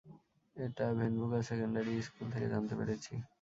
এটা Vancouver secondary school থেকে জানতে পেরেছি।